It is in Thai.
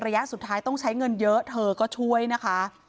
ระยะสุดท้ายต้องใช้เงินเยอะเธอก็ช่วยนะคะ